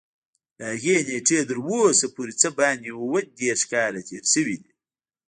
له هغې نېټې تر اوسه پورې څه باندې اووه دېرش کاله تېر شوي دي.